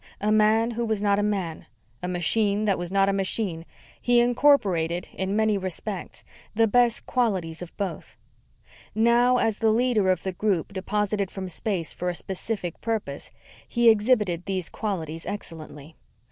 A man who was not a man, a machine that was not a machine, he incorporated, in many respects, the best qualities of both. Now, as the leader of the group deposited from space for a specific purpose, he exhibited these qualities excellently.